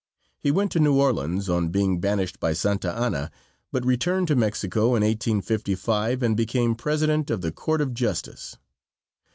He went to New Orleans, on being banished by Santa Anna, but returned to Mexico in 1855 and became President of the Court of Justice.